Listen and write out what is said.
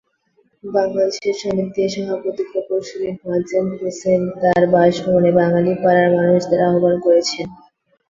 বাংলাদেশ সমিতির সভাপতি প্রকৌশলী মোয়াজ্জেম হোসেন তার বাসভবনে বাঙালি পাড়ার মানুষদের আহ্বান করেছেন।